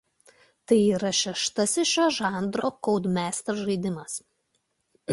Tai yra šeštasis šio žanro Codemasters žaidimas.